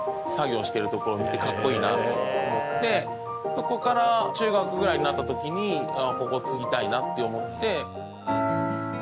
そこから中学ぐらいになった時にここ継ぎたいなって思って。